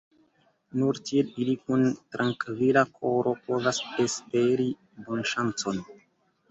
Nur tiel ili kun trankvila koro povas esperi bonŝancon.